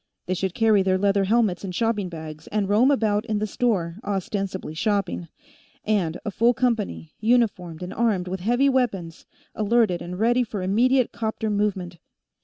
They should carry their leather helmets in shopping bags, and roam about in the store, ostensibly shopping. And a full company, uniformed and armed with heavy weapons, alerted and ready for immediate 'copter movement."